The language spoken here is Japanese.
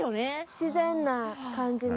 自然な感じの。